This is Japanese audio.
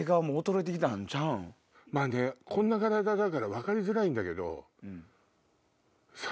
まぁねこんな体だから分かりづらいんだけど。